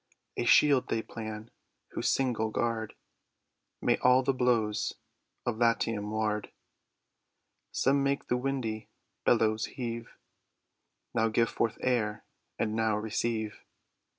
A shield they plan, whose single guard May all the blows of Latium ward Some make the windy bellows heave, Now give forth air, and now receive.